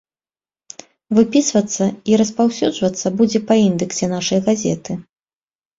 Выпісвацца і распаўсюджвацца будзе па індэксе нашай газеты.